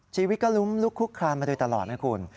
ชีวิตก็ล้มลุกคุกคลานมาโดยตลอดนะคุณ